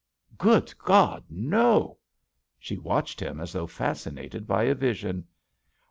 '*Good God, no I" She watched him as though fascinated by a vision.